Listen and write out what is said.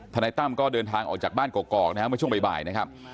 นายตั้มก็เดินทางออกจากบ้านกอกนะครับเมื่อช่วงบ่ายนะครับ